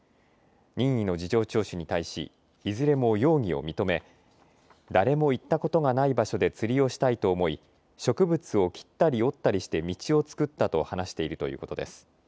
任意の事情聴取に対しいずれも容疑を認め誰も行ったことがない場所で釣りをしたいと思い植物を切ったり折ったりして道を作ったと話しているということです。